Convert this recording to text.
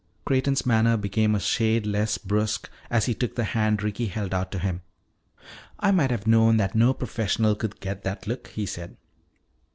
Creighton's manner became a shade less brusque as he took the hand Ricky held out to him. "I might have known that no professional could get that look," he said.